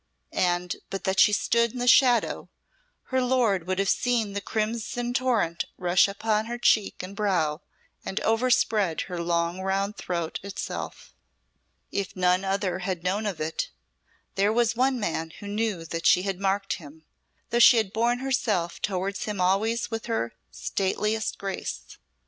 And but that she stood in the shadow, her lord would have seen the crimson torrent rush up her cheek and brow, and overspread her long round throat itself. If none other had known of it, there was one man who knew that she had marked him, though she had borne herself towards him always with her stateliest grace.